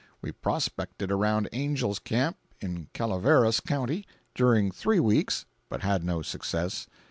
We prospected around Angel's Camp, in Calaveras county, during three weeks, but had no success.